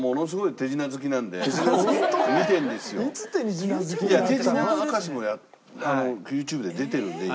手品明かしもＹｏｕＴｕｂｅで出てるんで今。